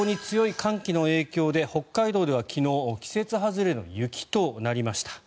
非常に強い寒気の影響で北海道では昨日季節外れの雪となりました。